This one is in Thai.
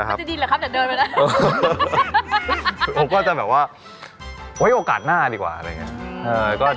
ผมก็จะก่อจะดีหรอครับ